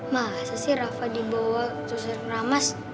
masa sih rafa dibawa ke susar keramas